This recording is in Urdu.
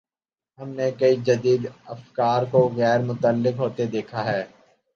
ہم نے کئی جدید افکار کو غیر متعلق ہوتے دیکھا ہے۔